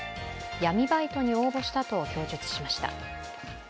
闇バイトに応募したと供述しました。